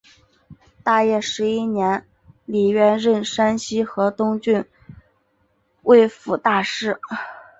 大业十一年李渊任山西河东郡慰抚大使。